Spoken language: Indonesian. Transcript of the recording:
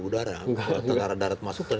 tengah tengah darat masuk